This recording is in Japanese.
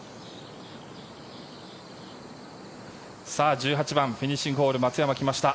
１８番フィニッシングホールに松山、来ました。